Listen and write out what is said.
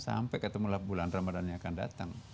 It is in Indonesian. sampai ketemu bulan ramadhan yang akan datang